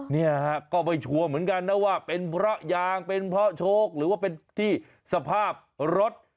เนี่ยฮะก็ไปชัวร์เหมือนกันนะว่าเป็นเพราะยางเป็นเพราะโชคหรือว่าเป็นที่สภาพรถ